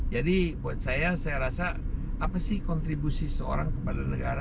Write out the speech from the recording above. jadi buat saya saya rasa apa sih kontribusi seorang kepada negara